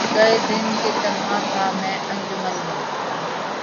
گئے دن کہ تنہا تھا میں انجمن میں